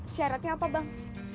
syaratnya apa bang